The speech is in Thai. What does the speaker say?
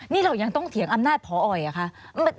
นี่เรายังต้องเถียงอำนาจพออีกเหรอคะ